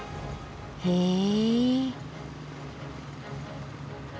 へえ。